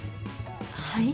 はい？